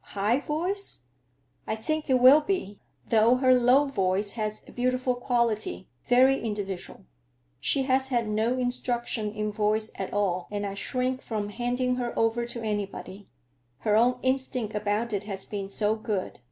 "High voice?" "I think it will be; though her low voice has a beautiful quality, very individual. She has had no instruction in voice at all, and I shrink from handing her over to anybody; her own instinct about it has been so good.